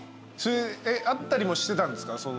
会ったりもしてたんですか？